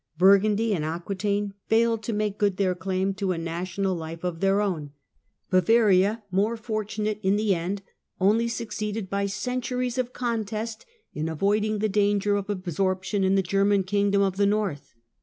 Burgundy and Aquetaine failed to make good their claim to a national life of their own ; Bavaria, more fortunate in the end, only succeeded by centuries of contest in avoiding the danger of absorption in the German kingdom of the north.